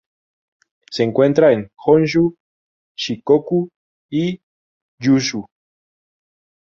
Se encuentra en Honshū, Shikoku y Kyūshū.